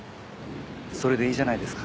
それでいいじゃないですか。